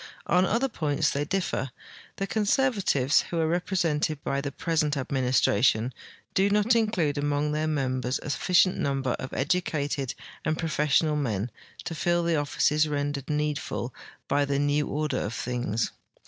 On other points they differ. The conservatives, who are repre sented by the present administration, do not include among their members a sufficient number of educated and ])rofessionalunen to fill the offices rendered needful by the new order of things.